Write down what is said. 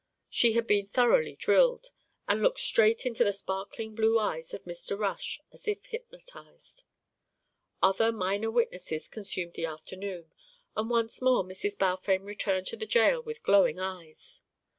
She had been thoroughly drilled, and looked straight into the sparkling blue eyes of Mr. Rush as if hypnotised. Other minor witnesses consumed the afternoon, and once more Mrs. Balfame returned to the jail with glowing eyes.